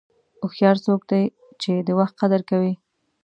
هوښیار څوک دی چې د وخت قدر کوي.